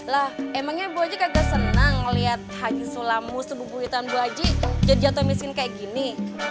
lah emangnya bu haji kagak senang ngeliat haji sulammu sebuah buhitan bu haji jadi jatuh miskin kayak gini